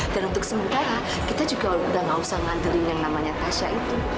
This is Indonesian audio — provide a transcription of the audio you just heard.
dan untuk sementara kita juga udah gak usah ngantulin yang namanya tasya itu